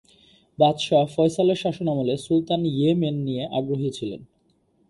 বাদশাহ ফয়সালের শাসনামলে সুলতান ইয়েমেন নিয়ে আগ্রহী ছিলেন।